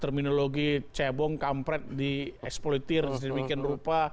teknologi cebong kampret dieksploitir sem privileges hubsa ya kemudian ada tang family state tanggal